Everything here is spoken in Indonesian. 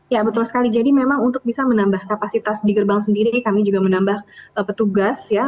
ya betul sekali jadi memang untuk bisa menambah kapasitas di gerbang sendiri kami juga menambah petugas ya